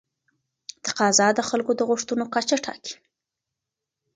تقاضا د خلکو د غوښتنو کچه ټاکي.